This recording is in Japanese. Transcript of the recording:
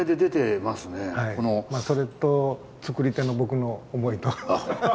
それと造り手の僕の思いと。